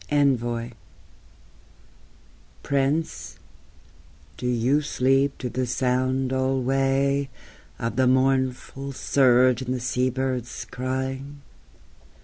ENVOY Prince, do you sleep to the sound alway Of the mournful surge and the sea birds' crying?